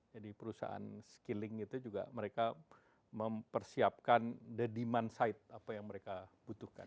jadi perusahaan skilling itu juga mereka mempersiapkan the demand side apa yang mereka butuhkan